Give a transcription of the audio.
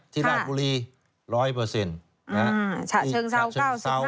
ที่ราชบุรี๑๐๐นะฉะเชิงเศร้า๙๕